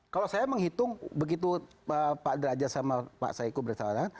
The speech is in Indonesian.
kalau saya menghitung begitu pak derajat sama pak saiku bersama sama